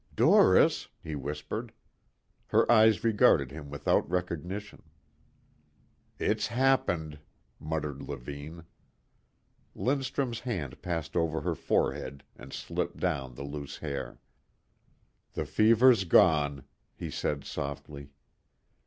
"Doris," he whispered. Her eyes regarded him without recognition. "It's happened," muttered Levine. Lindstrum's hand passed over her forehead and slipped down the loose hair. "The fever's gone," he said softly.